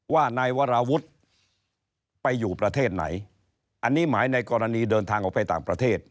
ว่านายวราวุฒิไปอยู่ประเทศไหนอันนี้หมายในกรณีเดินทางออกไปต่างประเทศ